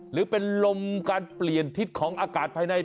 หรือเป็นลมการเปลี่ยนทิศของอากาศภายใน